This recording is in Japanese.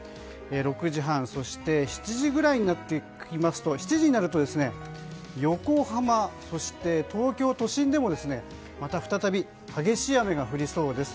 ６時半７時くらいになってきますと横浜、そして東京都心でもまた再び激しい雨が降りそうです。